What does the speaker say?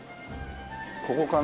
ここかな？